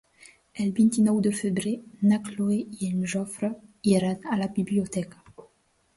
El vint-i-nou de febrer na Cloè i en Jofre iran a la biblioteca.